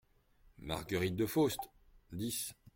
Marguerite De Faust : dix…